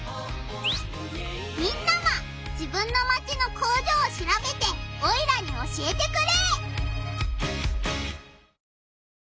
みんなも自分のマチの工場をしらべてオイラに教えてくれ！